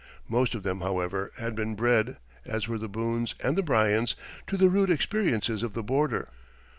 Most of them, however, had been bred, as were the Boones and the Bryans, to the rude experiences of the border.